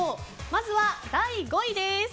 まずは第５位です。